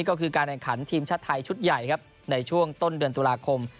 ก็คือการแข่งขันทีมชาติไทยชุดใหญ่ครับในช่วงต้นเดือนตุลาคม